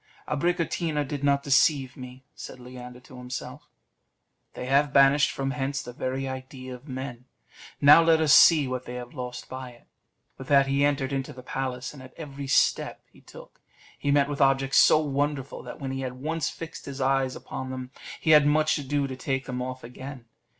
"Abricotina did not deceive me," said Leander to himself; "they have banished from hence the very idea of men; now let us see what they have lost by it." With that he entered into the palace, and at every step he took, he met with objects so wonderful, that when he had once fixed his eyes upon them he had much ado to take them off again.